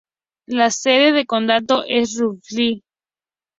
La sede de condado es Rushville.